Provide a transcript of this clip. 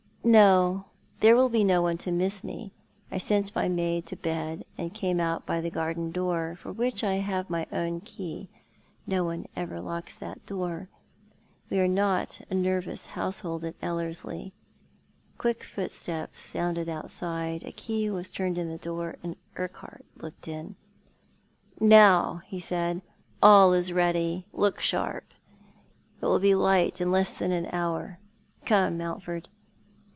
" No, there will be no one to miss me. I sent my maid to bed, and came out by the garden door, for which I have my own'key. No one ever locks that door. We are not a nervous household at Ellerslie." Quick footsteps sounded outside, a key was turned in the door, and Urquhart looked in. " Now," he said, " all is ready. Look sharp. It will be light in less than an hour. Come, Mountford."